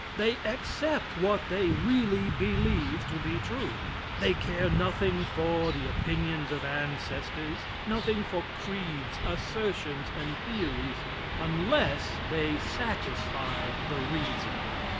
They accept what they really believe to be true. They care nothing for the opinions of ancestors, nothing for creeds, assertions and theories, unless they satisfy the reason.